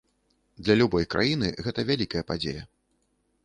Для любой краіны гэта вялікая падзея.